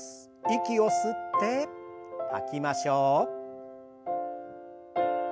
息を吸って吐きましょう。